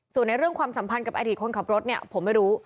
ส่วนในเรื่องความสัมพันธ์กับอดีตคนขับรถเนี่ยผมไม่รู้